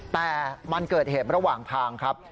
แต่มันเกิดเหตุระหว่างทางครับ